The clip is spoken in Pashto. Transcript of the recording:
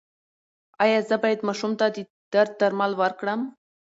ایا زه باید ماشوم ته د درد درمل ورکړم؟